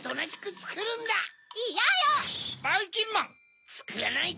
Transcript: つくらないと。